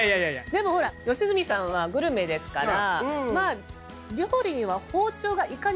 でもほら良純さんはグルメですからまぁ。